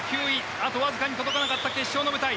あとわずかに届かなかった決勝の舞台。